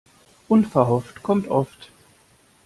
Unverhofft kommt oft.